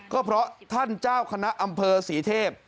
ก็เพราะท่านเจ้าคณะอำเภอศรีเทพ